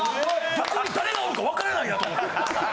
どこに誰がおるか分からないなと思って。